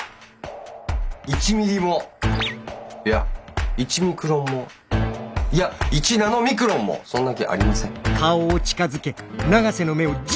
１ミリもいや１ミクロンもいや１ナノミクロンもそんな気ありません。